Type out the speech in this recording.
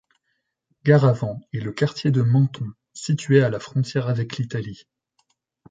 Garavan est le quartier de Menton situé à la frontière avec l'Italie.